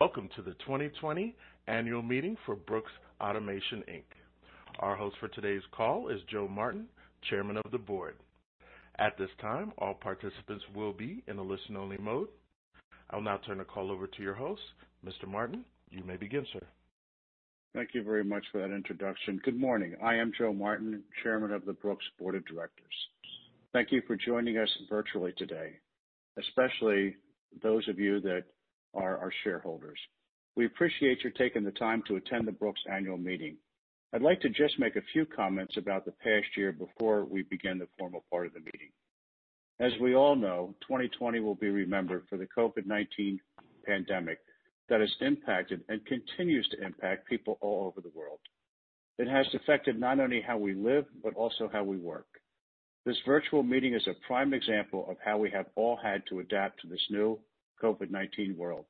Welcome to the 2020 annual meeting for Brooks Automation, Inc. Our host for today's call is Joe Martin, Chairman of the Board. At this time, all participants will be in a listen-only mode. I'll now turn the call over to your host, Mr. Martin. You may begin, sir. Thank you very much for that introduction. Good morning. I am Joe Martin, Chairman of the Brooks Automation Board of Directors. Thank you for joining us virtually today, especially those of you that are our shareholders. We appreciate you taking the time to attend the Brooks Automation annual meeting. I'd like to just make a few comments about the past year before we begin the formal part of the meeting. As we all know, 2020 will be remembered for the COVID-19 pandemic that has impacted and continues to impact people all over the world. It has affected not only how we live, but also how we work. This virtual meeting is a prime example of how we have all had to adapt to this new COVID-19 world.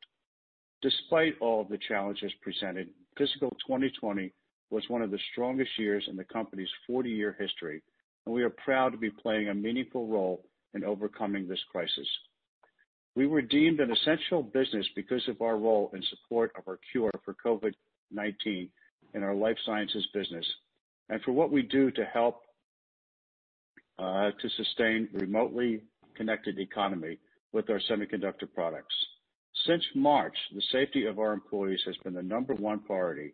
Despite all of the challenges presented, fiscal 2020 was one of the strongest years in the company's 40-year history, and we are proud to be playing a meaningful role in overcoming this crisis. We were deemed an essential business because of our role in support of our cure for COVID-19 in our Life Sciences business, and for what we do to help to sustain remotely connected economy with our semiconductor products. Since March, the safety of our employees has been the number one priority.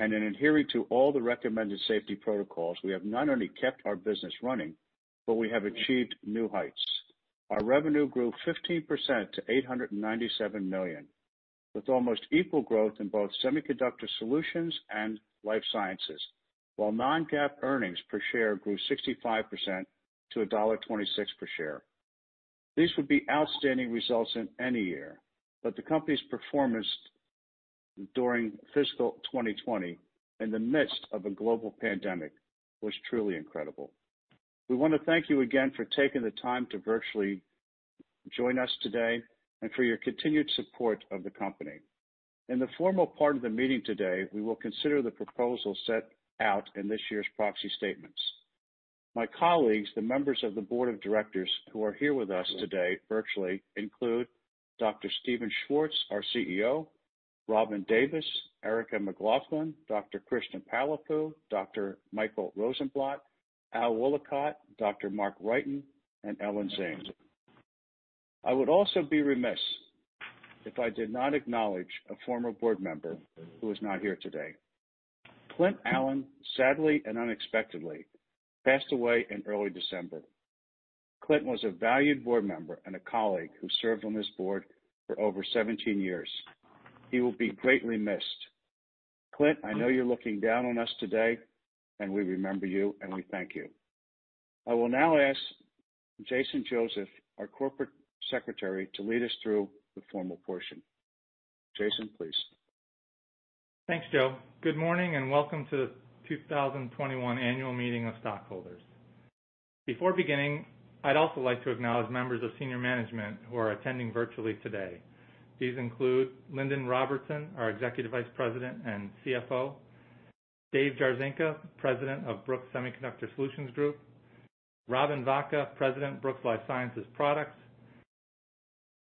In adhering to all the recommended safety protocols, we have not only kept our business running, but we have achieved new heights. Our revenue grew 15% to $897 million, with almost equal growth in both Semiconductor Solutions and Life Sciences. While non-GAAP earnings per share grew 65% to $1.26 per share. These would be outstanding results in any year, but the company's performance during fiscal 2020 in the midst of a global pandemic was truly incredible. We want to thank you again for taking the time to virtually join us today and for your continued support of the company. In the formal part of the meeting today, we will consider the proposals set out in this year's proxy statements. My colleagues, the members of the board of directors who are here with us today virtually include Dr. Steve Schwartz, our CEO, Robyn Davis, Erica McLaughlin, Dr. Krishna Palepu, Dr. Michael Rosenblatt, Al Woollacott, Dr. Mark Wrighton, and Ellen Zane. I would also be remiss if I did not acknowledge a former board member who is not here today. Clint Allen sadly and unexpectedly passed away in early December. Clint was a valued board member and a colleague who served on this board for over 17 years. He will be greatly missed. Clint, I know you're looking down on us today, and we remember you, and we thank you. I will now ask Jason Joseph, our Corporate Secretary, to lead us through the formal portion. Jason, please. Thanks, Joe. Good morning and welcome to the 2021 annual meeting of stockholders. Before beginning, I'd also like to acknowledge members of senior management who are attending virtually today. These include Lindon Robertson, our Executive Vice President and CFO, Dave Jarzynka, President of Brooks Semiconductor Solutions Group, Robin Vacha, President, Brooks Life Sciences Products,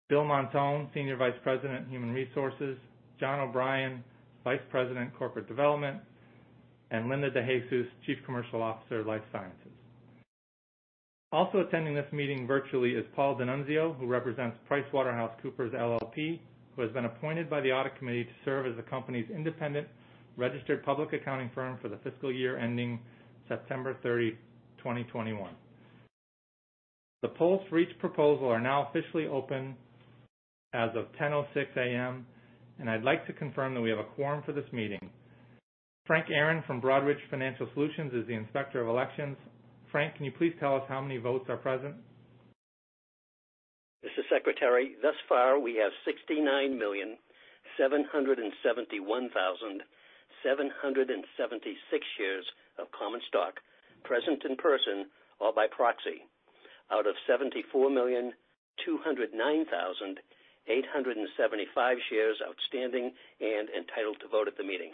Bill Montone, Senior Vice President, Human Resources, John O'Brien, Vice President, Corporate Development, and Linda DeJesus, Chief Commercial Officer, Life Sciences. Also attending this meeting virtually is Paul DeNunzio, who represents PricewaterhouseCoopers LLP, who has been appointed by the audit committee to serve as the company's independent registered public accounting firm for the fiscal year ending September 30, 2021. The polls for each proposal are now officially open as of 10:06 A.M., and I'd like to confirm that we have a quorum for this meeting. Frank Arren from Broadridge Financial Solutions is the Inspector of Elections. Frank, can you please tell us how many votes are present? Mr. Secretary, thus far, we have 69,771,776 shares of common stock present in person or by proxy, out of 74,209,875 shares outstanding and entitled to vote at the meeting.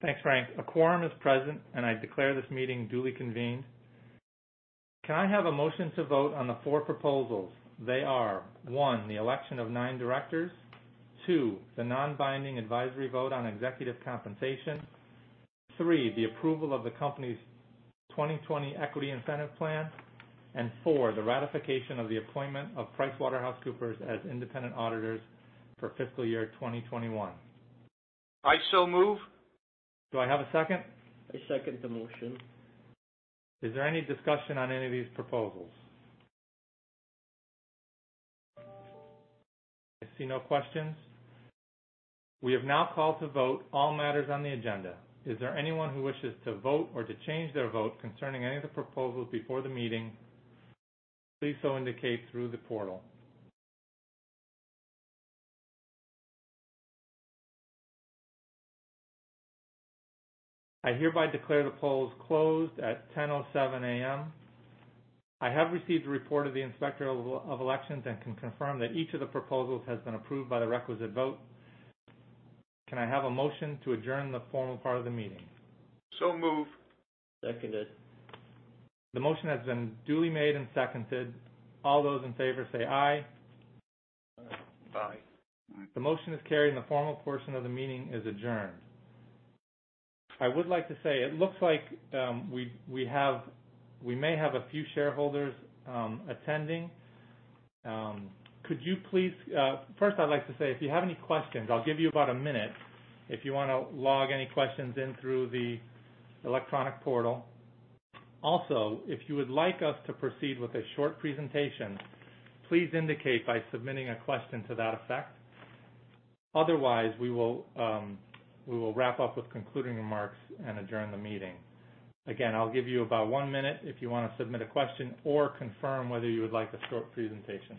Thanks, Frank. A quorum is present, and I declare this meeting duly convened. Can I have a motion to vote on the four proposals? They are, one, the election of nine directors, two, the non-binding advisory vote on executive compensation, three, the approval of the company's 2020 Equity Incentive Plan, and four, the ratification of the appointment of PricewaterhouseCoopers as independent auditors for fiscal year 2021. I so move. Do I have a second? I second the motion. Is there any discussion on any of these proposals? I see no questions. We have now called to vote all matters on the agenda. Is there anyone who wishes to vote or to change their vote concerning any of the proposals before the meeting? Please so indicate through the portal. I hereby declare the polls closed at 10:07 A.M. I have received a report of the Inspector of Elections and can confirm that each of the proposals has been approved by the requisite vote. Can I have a motion to adjourn the formal part of the meeting? moved. Seconded. The motion has been duly made and seconded. All those in favor say aye. Aye. Aye. The motion is carried and the formal portion of the meeting is adjourned. I would like to say, it looks like we may have a few shareholders attending. First, I'd like to say, if you have any questions, I'll give you about one minute, if you want to log any questions in through the electronic portal. Also, if you would like us to proceed with a short presentation, please indicate by submitting a question to that effect. Otherwise, we will wrap up with concluding remarks and adjourn the meeting. Again, I'll give you about one minute if you want to submit a question or confirm whether you would like a short presentation.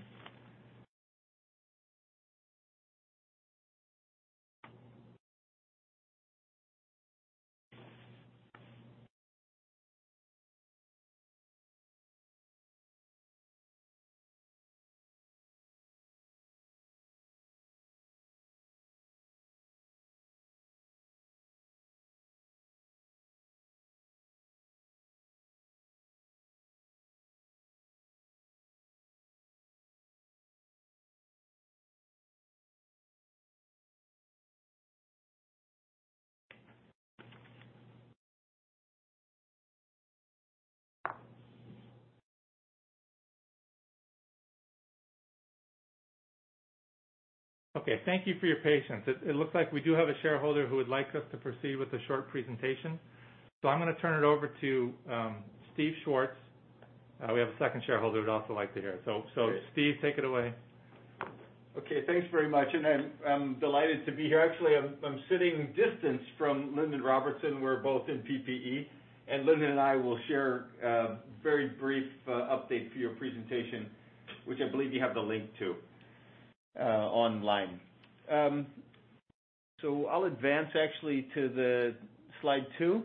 Okay. Thank you for your patience. It looks like we do have a shareholder who would like us to proceed with a short presentation. I'm going to turn it over to Steve Schwartz. We have a second shareholder who'd also like to hear. Steve, take it away. Okay. Thanks very much. I'm delighted to be here. Actually, I'm sitting distanced from Lindon Robertson. We're both in PPE. Lindon and I will share a very brief update for your presentation, which I believe you have the link to online. I'll advance actually to slide two.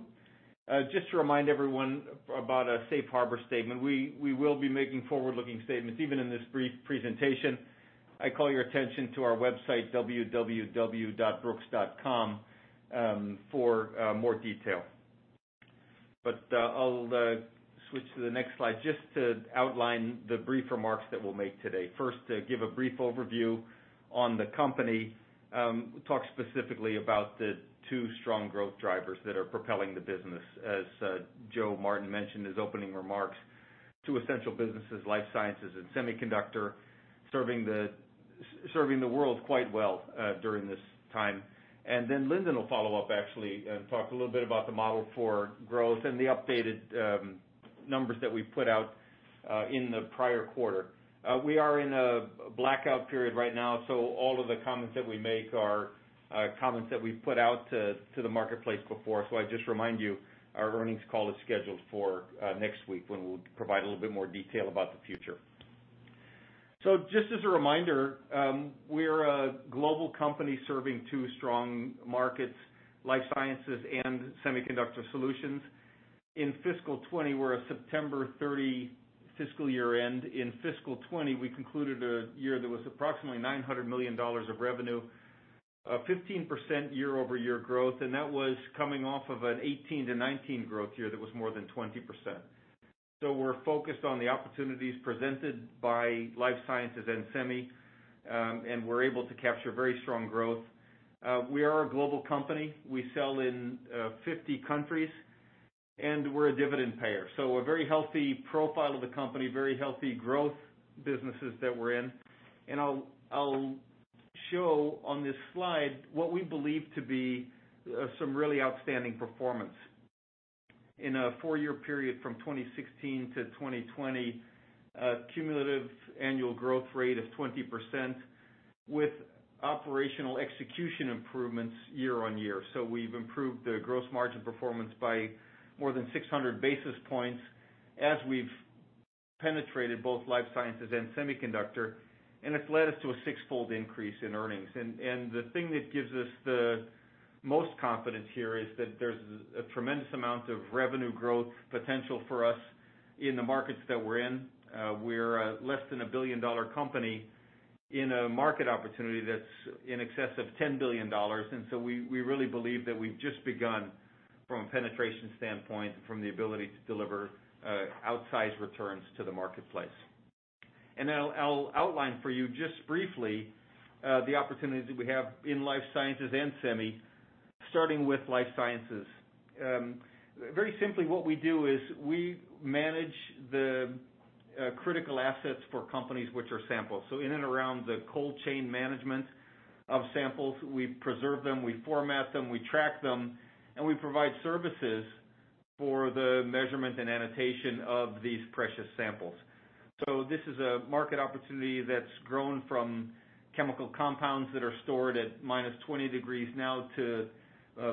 Just to remind everyone about a safe harbor statement. We will be making forward-looking statements, even in this brief presentation. I call your attention to our website, www.brooks.com, for more detail. I'll switch to the next slide just to outline the brief remarks that we'll make today. First, to give a brief overview on the company. Talk specifically about the two strong growth drivers that are propelling the business. As Joe Martin mentioned in his opening remarks, two essential businesses, Life Sciences and Semiconductor, serving the world quite well during this time. Lindon will follow up actually and talk a little bit about the model for growth and the updated numbers that we put out in the prior quarter. We are in a blackout period right now, all of the comments that we make are comments that we've put out to the marketplace before. I just remind you, our earnings call is scheduled for next week when we'll provide a little bit more detail about the future. Just as a reminder, we're a global company serving two strong markets, life sciences and Semiconductor Solutions. In fiscal 2020, we're a September 30 fiscal year end. In fiscal 2020, we concluded a year that was approximately $900 million of revenue, 15% year-over-year growth, and that was coming off of a 2018-2019 growth year that was more than 20%. We're focused on the opportunities presented by life sciences and semi, and we're able to capture very strong growth. We are a global company. We sell in 50 countries, and we're a dividend payer. A very healthy profile of the company, very healthy growth businesses that we're in. I'll show on this slide what we believe to be some really outstanding performance. In a four-year period from 2016 to 2020, cumulative annual growth rate of 20% with operational execution improvements year-on-year. We've improved the gross margin performance by more than 600 basis points as we've penetrated both life sciences and semiconductor, and it's led us to a six-fold increase in earnings. The thing that gives us the most confidence here is that there's a tremendous amount of revenue growth potential for us in the markets that we're in. We're a less than a billion-dollar company in a market opportunity that's in excess of $10 billion. We really believe that we've just begun from a penetration standpoint from the ability to deliver outsized returns to the marketplace. I'll outline for you just briefly, the opportunities that we have in life sciences and semi, starting with life sciences. Very simply what we do is we manage the critical assets for companies which are samples. In and around the cold chain management of samples, we preserve them, we format them, we track them, and we provide services for the measurement and annotation of these precious samples. This is a market opportunity that's grown from chemical compounds that are stored at minus 20 degrees now to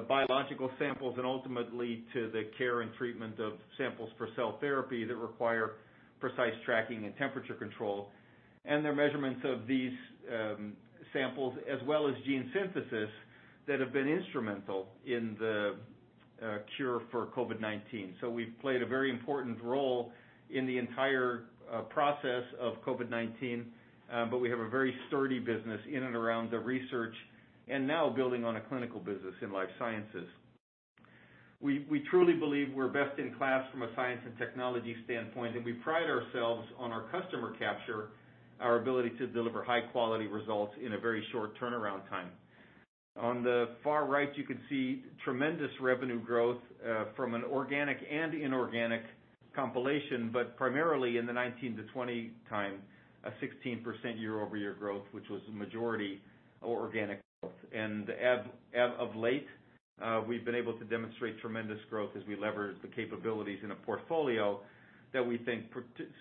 biological samples and ultimately to the care and treatment of samples for cell therapy that require precise tracking and temperature control. The measurements of these samples as well as gene synthesis that have been instrumental in the cure for COVID-19. We've played a very important role in the entire process of COVID-19, but we have a very sturdy business in and around the research, and now building on a clinical business in Life Sciences. We truly believe we're best in class from a science and technology standpoint, and we pride ourselves on our customer capture, our ability to deliver high-quality results in a very short turnaround time. On the far right, you can see tremendous revenue growth from an organic and inorganic compilation, but primarily in the 2019 to 2020 time, a 16% year-over-year growth, which was majority organic growth. As of late, we've been able to demonstrate tremendous growth as we lever the capabilities in a portfolio that we think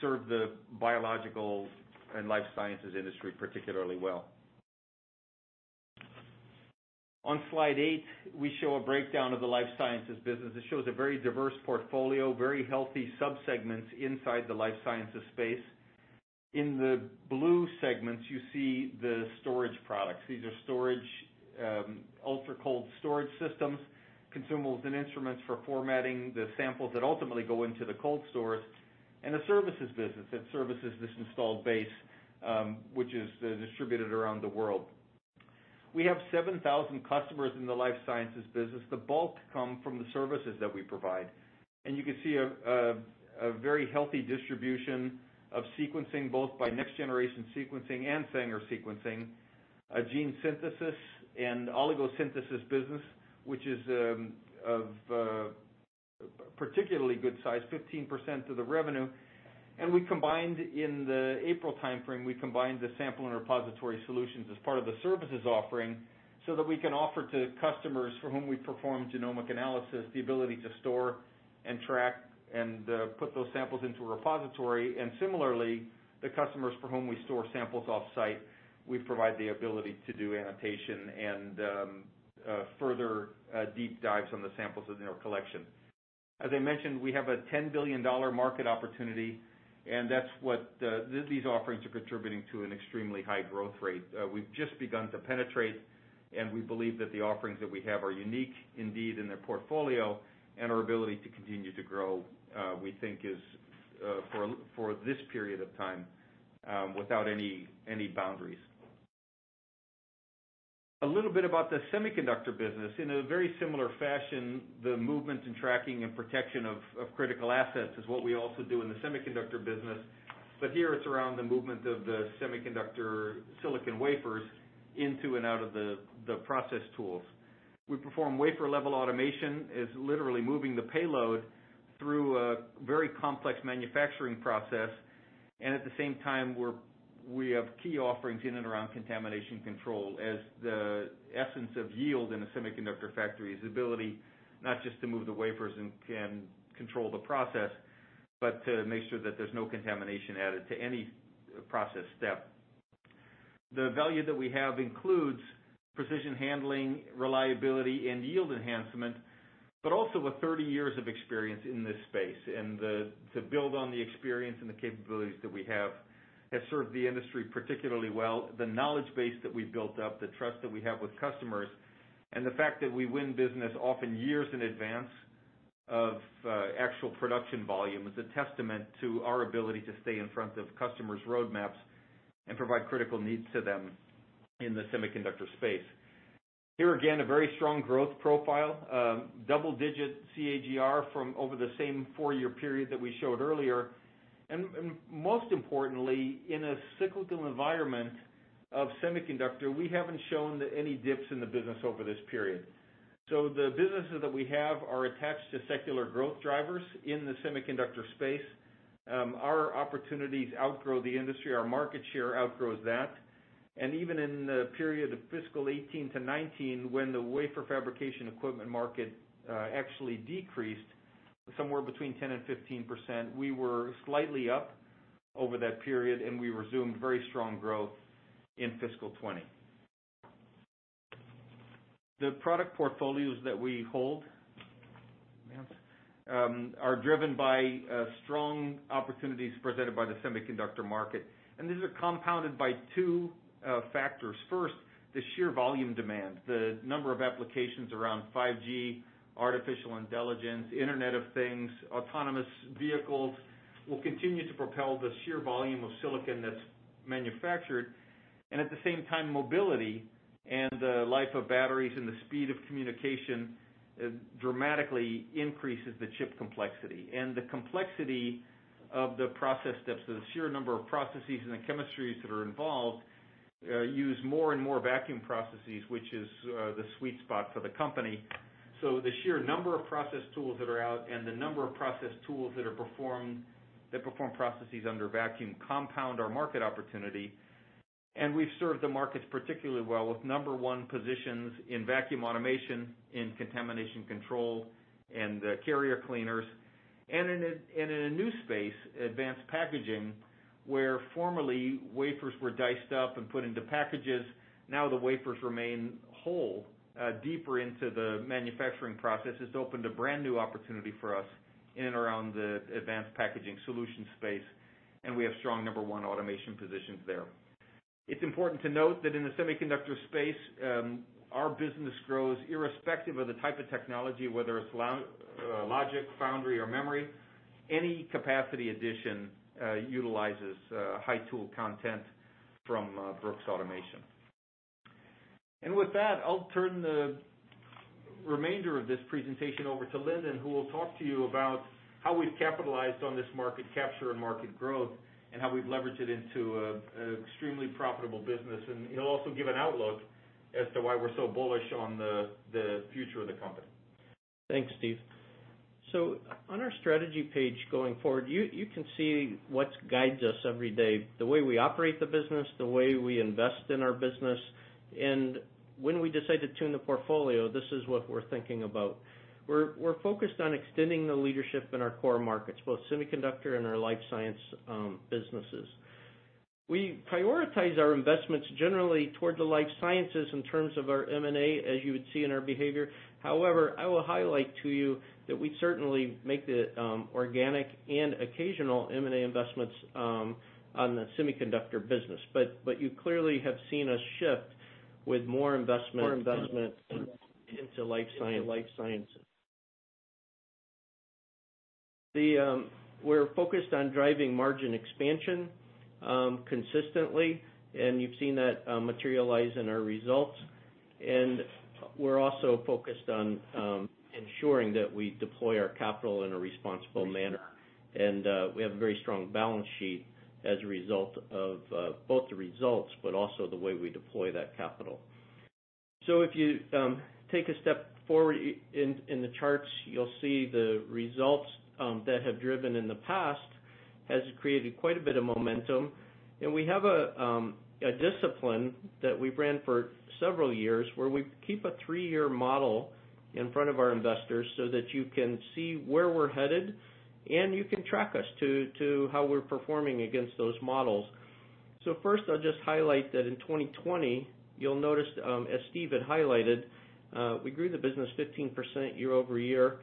serve the biological and Life Sciences industry particularly well. On slide eight, we show a breakdown of the Life Sciences business. It shows a very diverse portfolio, very healthy sub-segments inside the Life Sciences space. In the blue segments, you see the storage products. These are storage, ultra-cold storage systems, consumables and instruments for formatting the samples that ultimately go into the cold storage, and a services business that services this installed base, which is distributed around the world. We have 7,000 customers in the Life Sciences business. The bulk come from the services that we provide. You can see a very healthy distribution of sequencing, both by next generation sequencing and Sanger sequencing, a gene synthesis and oligo synthesis business, which is of particularly good size, 15% of the revenue. In the April timeframe, we combined the Sample Management Solutions as part of the services offering so that we can offer to customers for whom we perform genomic analysis the ability to store and track and put those samples into a repository. Similarly, the customers for whom we store samples offsite, we provide the ability to do annotation and further deep dives on the samples in their collection. As I mentioned, we have a $10 billion market opportunity, and that's what these offerings are contributing to an extremely high growth rate. We've just begun to penetrate, and we believe that the offerings that we have are unique indeed in their portfolio, and our ability to continue to grow, we think, is for this period of time, without any boundaries. A little bit about the semiconductor business. In a very similar fashion, the movement and tracking and protection of critical assets is what we also do in the semiconductor business. But here it's around the movement of the semiconductor silicon wafers into and out of the process tools. We perform wafer-level automation, is literally moving the payload through a very complex manufacturing process, and at the same time, we have key offerings in and around contamination control as the essence of yield in a semiconductor factory is the ability not just to move the wafers and control the process, but to make sure that there's no contamination added to any process step. The value that we have includes precision handling, reliability, and yield enhancement, also with 30 years of experience in this space. To build on the experience and the capabilities that we have has served the industry particularly well. The knowledge base that we've built up, the trust that we have with customers, and the fact that we win business often years in advance of actual production volume is a testament to our ability to stay in front of customers' roadmaps and provide critical needs to them in the semiconductor space. Here again, a very strong growth profile. Double-digit CAGR from over the same four-year period that we showed earlier. Most importantly, in a cyclical environment of semiconductor, we haven't shown any dips in the business over this period. The businesses that we have are attached to secular growth drivers in the semiconductor space. Our opportunities outgrow the industry. Our market share outgrows that. Even in the period of fiscal 2018 to fiscal 2019, when the wafer fabrication equipment market actually decreased somewhere between 10%-15%, we were slightly up over that period, and we resumed very strong growth in fiscal 2020. The product portfolios that we hold are driven by strong opportunities presented by the semiconductor market, and these are compounded by two factors. First, the sheer volume demand. The number of applications around 5G, artificial intelligence, Internet of Things, autonomous vehicles will continue to propel the sheer volume of silicon that's manufactured. At the same time, mobility and the life of batteries and the speed of communication dramatically increases the chip complexity. The complexity of the process steps, so the sheer number of processes and the chemistries that are involved, use more and more vacuum processes, which is the sweet spot for the company. The sheer number of process tools that are out and the number of process tools that perform processes under vacuum compound our market opportunity. We've served the markets particularly well with number one positions in vacuum automation, in contamination control, and carrier cleaners. In a new space, advanced packaging, where formerly wafers were diced up and put into packages, now the wafers remain whole deeper into the manufacturing process. It's opened a brand-new opportunity for us in and around the advanced packaging solution space, and we have strong number one automation positions there. It's important to note that in the semiconductor space, our business grows irrespective of the type of technology, whether it's logic, foundry, or memory. Any capacity addition utilizes high tool content from Brooks Automation. With that, I'll turn the remainder of this presentation over to Lindon, who will talk to you about how we've capitalized on this market capture and market growth, and how we've leveraged it into an extremely profitable business. He'll also give an outlook as to why we're so bullish on the future of the company. Thanks, Steve. On our strategy page going forward, you can see what guides us every day, the way we operate the business, the way we invest in our business. When we decide to tune the portfolio, this is what we're thinking about. We're focused on extending the leadership in our core markets, both semiconductor and our Life Sciences businesses. We prioritize our investments generally toward the Life Sciences in terms of our M&A, as you would see in our behavior. However, I will highlight to you that we certainly make the organic and occasional M&A investments on the semiconductor business. You clearly have seen us shift with more investment into Life Sciences. We're focused on driving margin expansion consistently, and you've seen that materialize in our results. We're also focused on ensuring that we deploy our capital in a responsible manner. We have a very strong balance sheet as a result of both the results, but also the way we deploy that capital. If you take a step forward in the charts, you'll see the results that have driven in the past has created quite a bit of momentum. We have a discipline that we've ran for several years, where we keep a three-year model in front of our investors so that you can see where we're headed, and you can track us to how we're performing against those models. First, I'll just highlight that in 2020, you'll notice, as Steve had highlighted, we grew the business 15% year-over-year,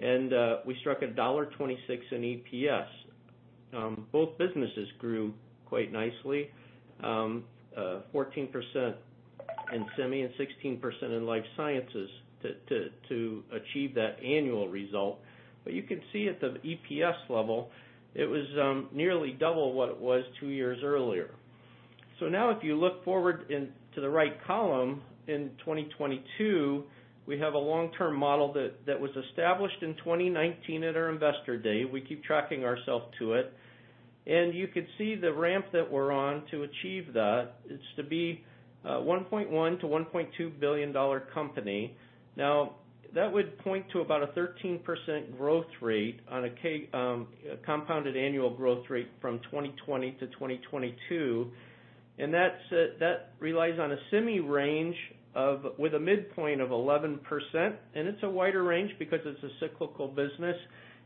and we struck $1.26 in EPS. Both businesses grew quite nicely, 14% in semi and 16% in life sciences to achieve that annual result. You can see at the EPS level, it was nearly double what it was two years earlier. Now if you look forward to the right column, in 2022, we have a long-term model that was established in 2019 at our investor day. We keep tracking ourselves to it. You could see the ramp that we're on to achieve that. It's to be a $1.1 billion-$1.2 billion company. That would point to about a 13% growth rate on a compounded annual growth rate from 2020 to 2022. That relies on a semi range with a midpoint of 11%. It's a wider range because it's a cyclical business.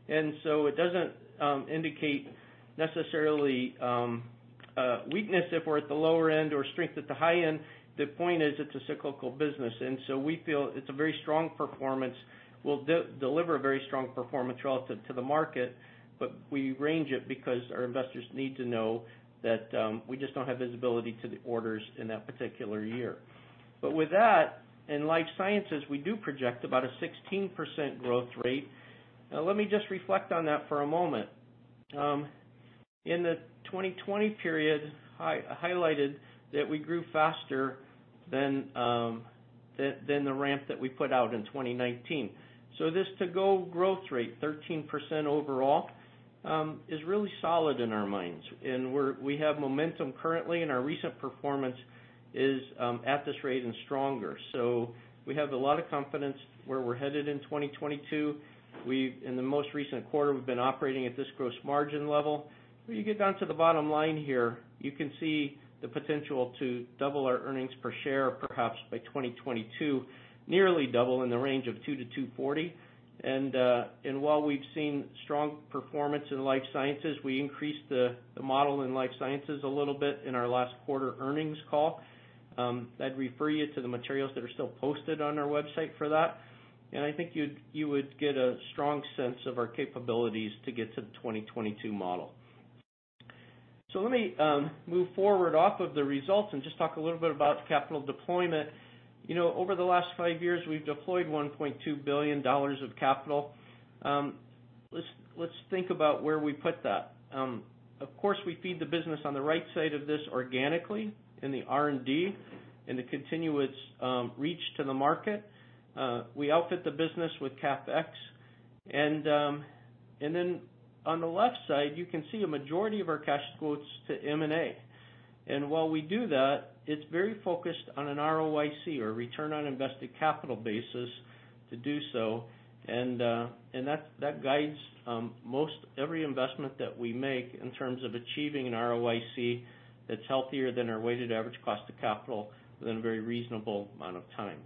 It doesn't indicate necessarily a weakness if we're at the lower end or strength at the high end. The point is, it's a cyclical business. We feel it's a very strong performance. We'll deliver a very strong performance relative to the market, but we range it because our investors need to know that we just don't have visibility to the orders in that particular year. With that, in life sciences, we do project about a 16% growth rate. Now let me just reflect on that for a moment. In the 2020 period, I highlighted that we grew faster than the ramp that we put out in 2019. This to-go growth rate, 13% overall, is really solid in our minds. We have momentum currently, and our recent performance is at this rate and stronger. We have a lot of confidence where we're headed in 2022. In the most recent quarter, we've been operating at this gross margin level. When you get down to the bottom line here, you can see the potential to double our EPS, perhaps by 2022, nearly double in the range of $2-$2.40. While we've seen strong performance in Life Sciences, we increased the model in Life Sciences a little bit in our last quarter earnings call. I'd refer you to the materials that are still posted on our website for that. I think you would get a strong sense of our capabilities to get to the 2022 model. Let me move forward off of the results and just talk a little bit about capital deployment. Over the last five years, we've deployed $1.2 billion of capital. Let's think about where we put that. Of course, we feed the business on the right side of this organically, in the R&D, in the continuous reach to the market. We outfit the business with CapEx. On the left side, you can see a majority of our cash goes to M&A. While we do that, it's very focused on an ROIC, or return on invested capital, basis to do so. That guides most every investment that we make in terms of achieving an ROIC that's healthier than our weighted average cost of capital within a very reasonable amount of time.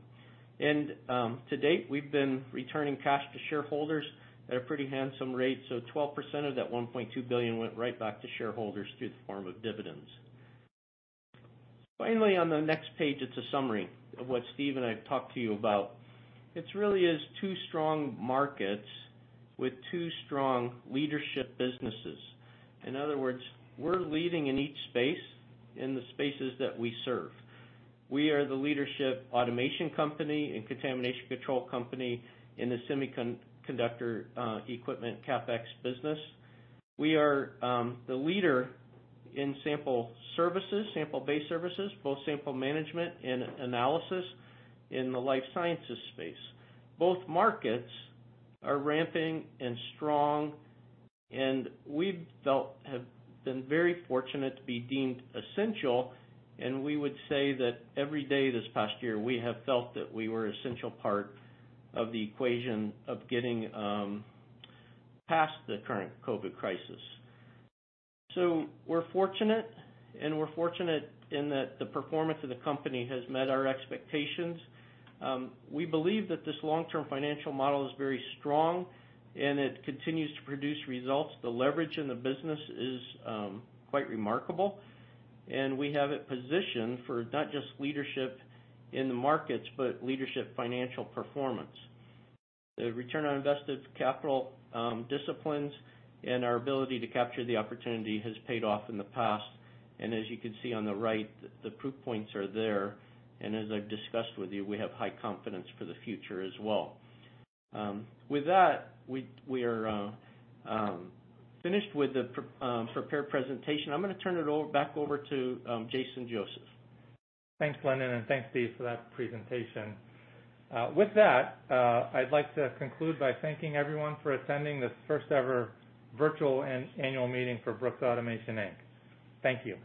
To date, we've been returning cash to shareholders at a pretty handsome rate. 12% of that $1.2 billion went right back to shareholders through the form of dividends. Finally, on the next page, it's a summary of what Steve and I have talked to you about. It really is two strong markets with two strong leadership businesses. In other words, we're leading in each space in the spaces that we serve. We are the leadership automation company and contamination control company in the semiconductor equipment CapEx business. We are the leader in sample-based services, both sample management and analysis in the Life Sciences space. Both markets are ramping and strong. We have been very fortunate to be deemed essential. We would say that every day this past year, we have felt that we were an essential part of the equation of getting past the current COVID-19 crisis. We're fortunate. We're fortunate in that the performance of the company has met our expectations. We believe that this long-term financial model is very strong. It continues to produce results. The leverage in the business is quite remarkable. We have it positioned for not just leadership in the markets, but leadership financial performance. The return on invested capital disciplines and our ability to capture the opportunity has paid off in the past. As you can see on the right, the proof points are there. As I've discussed with you, we have high confidence for the future as well. With that, we are finished with the prepared presentation. I'm going to turn it back over to Jason Joseph. Thanks, Lindon, and thanks, Steve, for that presentation. With that, I'd like to conclude by thanking everyone for attending this first ever virtual and annual meeting for Brooks Automation, Inc. Thank you.